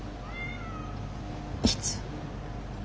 いつ？